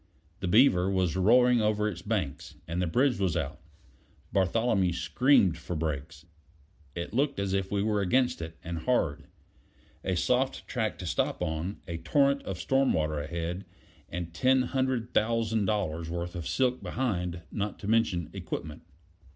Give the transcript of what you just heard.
The Beaver was roaring over its banks, and the bridge was out. Bartholomew screamed for brakes: it looked as if we were against it and hard. A soft track to stop on; a torrent of storm water ahead, and ten hundred thousand dollars' worth of silk behind, not to mention equipment.